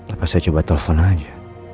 apa saya coba telepon aja